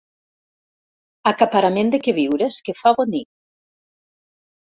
Acaparament de queviures que fa bonic.